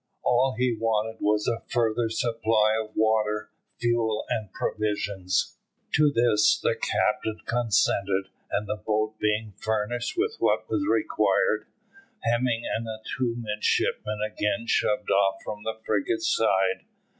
All he wanted was a further supply of water, fuel, and provisions. To this the captain consented, and the boat being furnished with what was required, Hemming and the two midshipmen again shoved off from the frigate's side.